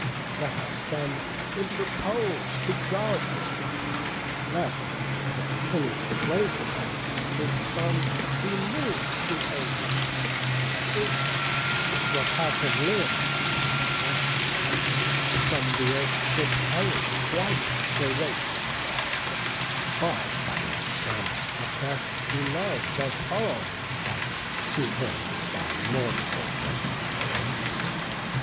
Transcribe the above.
Let us then interpose to guard his life; Lest, if Achilles slay him, Saturn's son Be mov'd to anger; for his destiny Would have him live; lest, heirless, from the earth Should perish quite the race of Dardanus; By Saturn's son the best belov'd of all His sons, to him by mortal women born.